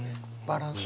バランス。